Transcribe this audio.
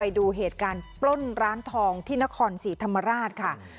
ไปดูเหตุการณ์ปล้นร้านทองที่นครศรีธรรมราชค่ะ